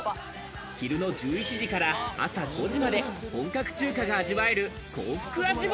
昼の１１時から朝５時まで、本格中華が味わえる香福味坊。